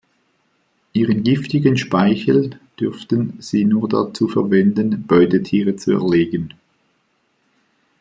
Ihren giftigen Speichel dürften sie nur dazu verwenden, Beutetiere zu erlegen.